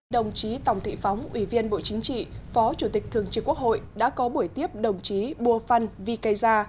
đồng chí tổng thị phóng ủy viên bộ chính trị phó chủ tịch thường trực quốc hội đã có buổi tiếp đồng chí bùa phân vy cây gia